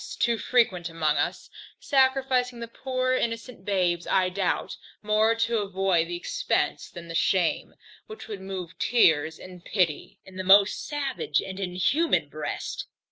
too frequent among us, sacrificing the poor innocent babes, I doubt, more to avoid the expence than the shame, which would move tears and pity in the most savage and inhuman breast.